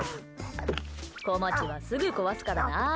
こまちは、すぐ壊すからな。